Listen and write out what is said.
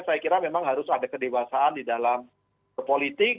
saya kira memang harus ada kedewasaan di dalam berpolitik